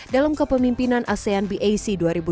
dalam kepemimpinan asean bac dua ribu dua puluh